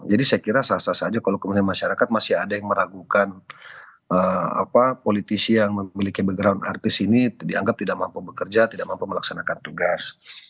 jadi saya kira salah satu saja kalau kemudian masyarakat masih ada yang meragukan politisi yang memiliki background artis ini dianggap tidak mampu bekerja tidak mampu melaksanakan tugas